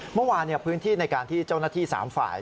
เมื่อวานพื้นที่ในการที่เจ้าหน้าที่๓ฝ่าย